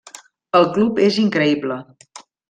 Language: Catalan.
El club és increïble.